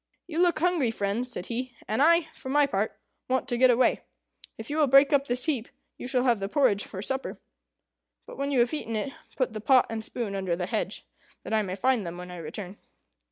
"You look hungry, friends," said he, "and I, for my part, want to get away. If you will break up this heap, you shall have the porridge for supper. But when you have eaten it, put the pot and spoon under the hedge, that I may find them when I return."